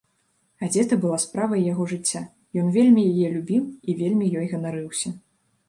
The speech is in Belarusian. Газета была справай яго жыцця, ён вельмі яе любіў і вельмі ёй ганарыўся.